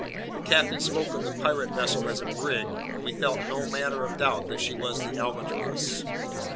The captain spoke of the pirate vessel as a brig; and we felt no manner of doubt that she was the Albatross.